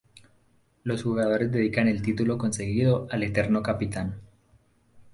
Los jugadores dedican el título conseguido al "Eterno Capitán".